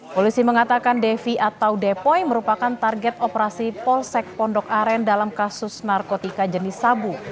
polisi mengatakan devi atau depoi merupakan target operasi polsek pondok aren dalam kasus narkotika jenis sabu